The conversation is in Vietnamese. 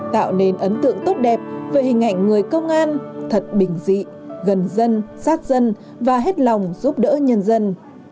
tạo nên ấn tượng tốt đẹp về hình ảnh người công an thật bình dị gần dân sát dân và hết lòng giúp đỡ nhân dân